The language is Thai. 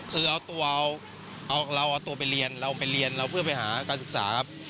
คือเอาตัวเราเอาตัวไปเรียนเราไปเรียนเราเพื่อไปหาการศึกษาครับ